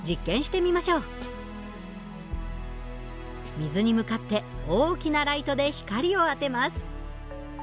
水に向かって大きなライトで光を当てます。